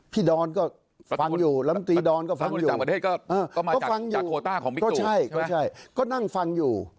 พี่ดอนก็ฟังอยู่ลำตรีดอนก็ฟังอยู่ก็ฟังอยู่ก็ใช่ก็นั่งฟังอยู่